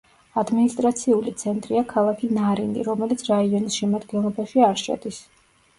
ადმინისტრაციული ცენტრია ქალაქი ნარინი, რომელიც რაიონის შემადგენლობაში არ შედის.